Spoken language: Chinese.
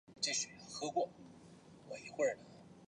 墓地的正前方有一座以花岗岩砌成的纪念碑。